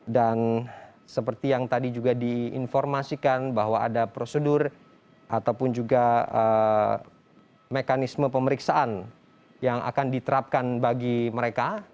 dan seperti yang tadi juga diinformasikan bahwa ada prosedur ataupun juga mekanisme pemeriksaan yang akan diterapkan bagi mereka